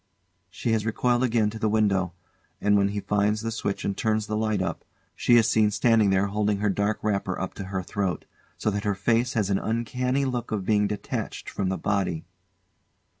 She has recoiled again to the window; and when he finds the switch and turns the light up, she is seen standing there holding her dark wrapper up to her throat, so that her face has an uncanny look of being detached from the body.